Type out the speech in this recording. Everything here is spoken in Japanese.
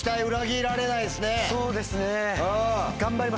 そうですね。